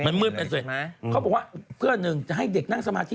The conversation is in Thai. มันมืดไปเสร็จเขาบอกว่าเพื่อหนึ่งจะให้เด็กนั่งสมาธิ